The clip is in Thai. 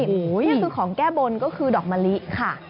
นี่คือของแก้บนก็คือดอกมะลิค่ะ